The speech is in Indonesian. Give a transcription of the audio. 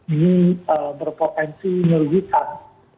ini berpotensi merugikan